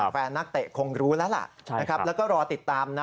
นักเตะคงรู้แล้วล่ะแล้วก็รอติดตามนะ